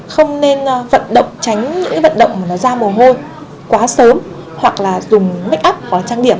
không nên vận động tránh những cái vận động mà nó ra mồ hôi quá sớm hoặc là dùng make up hoặc là trang điểm